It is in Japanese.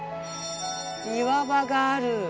岩場がある。